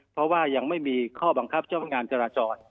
เพราะว่ายังไม่มีข้อบังคับเจ้าพนักงานจราจร